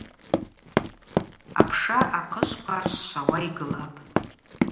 Апша ахъыквква аршвшвауа йгылапӏ.